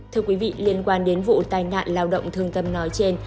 thưa quý vị liên quan đến vụ tai nạn lao động thương tâm nói trên